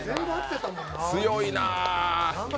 強いな。